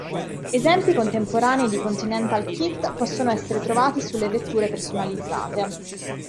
Esempi contemporanei di "Continental kit" possono essere trovati sulle vetture personalizzate.